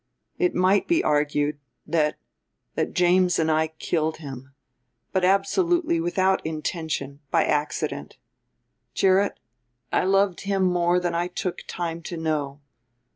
It might be argued that that James and I killed him, but absolutely without intention, by accident. Gerrit, I loved him more than I took time to know.